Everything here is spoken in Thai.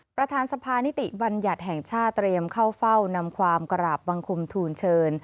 ประธานสภานิติบัญญัติแห่งชาติเตรียมเข้าเฝ้านำความกราบบังคมทูลเชิญ